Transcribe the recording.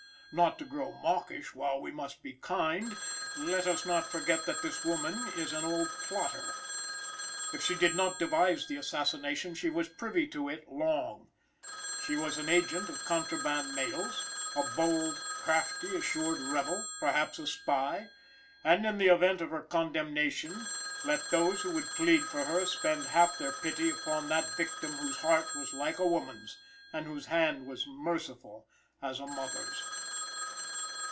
Not to grow mawkish while we must be kind, let us not forget that this woman is an old plotter. If she did not devise the assassination, she was privy to it long. She was an agent of contraband mails a bold, crafty, assured rebel perhaps a spy and in the event of her condemnation, let those who would plead for her spend half their pity upon that victim whose heart was like a woman's, and whose hand was merciful as a mother's.